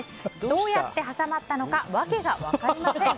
どうやって挟まったのか訳が分かりません。